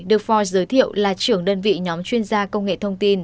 được ford giới thiệu là trưởng đơn vị nhóm chuyên gia công nghệ thông tin